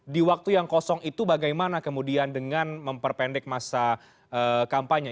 di waktu yang kosong itu bagaimana kemudian dengan memperpendek masa kampanye